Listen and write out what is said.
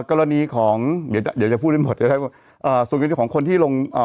กรณีของเดี๋ยวจะพูดได้หมดเดี๋ยวได้อ่าส่วนกรณีของคนที่ลงอ่า